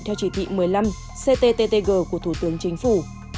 theo chỉ thị một mươi năm cttg của thủ tướng chính phủ